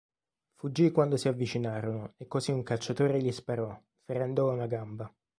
Fuggì quando si avvicinarono, e così un cacciatore gli sparò, ferendolo a una gamba.